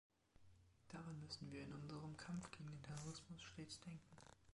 Daran müssen wir in unserem Kampf gegen den Terrorismus stets denken.